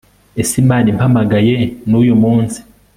ese imana impamagaye n'uyu munsi